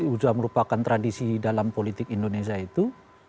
sudah merupakan tradisi dalam politik indonesia itu